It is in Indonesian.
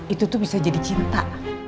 itu tuh bisa jadi cinta